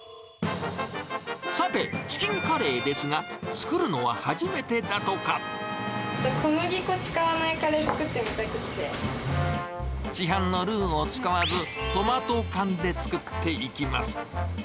さて、チキンカレーですが、作るのは初めてだとか。小麦粉を使わないカレーを作市販のルーを使わず、トマト缶で作っていきます。